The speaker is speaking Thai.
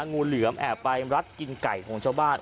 งูเหลือมแอบไปรัดกินไก่ของชาวบ้าน